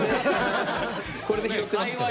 これで拾ってますからね。